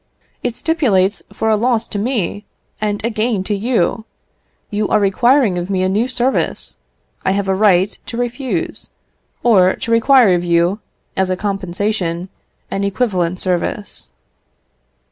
It stipulates for a loss to me, and a gain to you. You are requiring of me a new service; I have a right to refuse, or to require of you, as a compensation, an equivalent service."